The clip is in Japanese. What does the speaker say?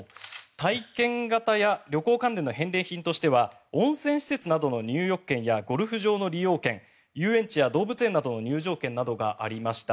体験型や旅行関連の返礼品としては温泉施設の入浴券やゴルフ場の利用権遊園地や動物園などの入場券がありました。